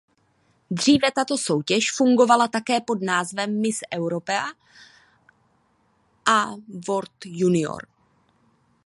Dříve tato soutěže fungovala také pod názvem Miss Europe and World Junior.